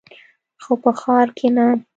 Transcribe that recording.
خو په ښار کښې نه.